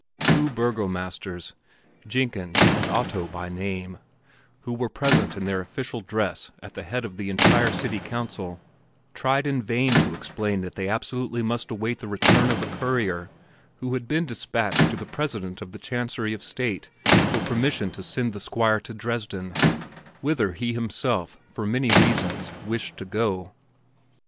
Two burgomasters, Jenkens and Otto by name, who were present in their official dress at the head of the entire city council, tried in vain to explain that they absolutely must await the return of a courier who had been dispatched to the President of the Chancery of State for permission to send the Squire to Dresden, whither he himself, for many reasons, wished to go.